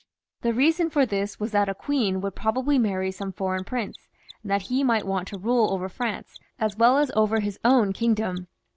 The reason for this was that a queen would probably marry some foreign prince, and that he might want to rule over France, as well as over his own kingdom.